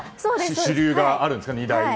主流があるんですね、２大。